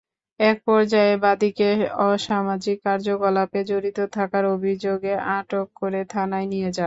একপর্যায়ে বাদীকে অসামাজিক কার্যকলাপে জড়িত থাকার অভিযোগে আটক করে থানায় নিয়ে যান।